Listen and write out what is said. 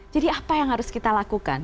jadi apa yang harus kita lakukan